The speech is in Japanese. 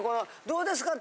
どうですか？